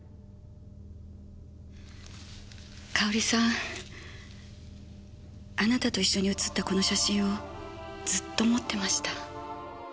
かおりさんあなたと一緒に映ったこの写真をずっと持ってました。